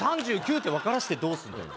３９って分からしてどうすんだよ？